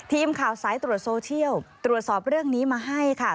ทีมข่าวสายตรวจโซเชียลตรวจสอบเรื่องนี้มาให้ค่ะ